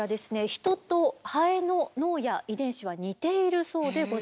ヒトとハエの脳や遺伝子は似ているそうでございます。